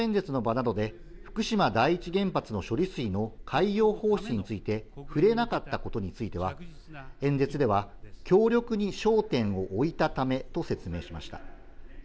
一方、国連の一般討論演説の場などで福島第一原発の処理水の海洋放出について、触れなかったことについては、演説では協力に焦点を置いたためと説明しました。